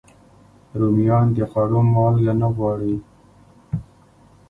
رومیان د خوړو مالګه نه غواړي